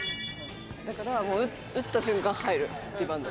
だから打った瞬間入るリバウンド。